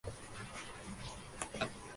Fue su último papel.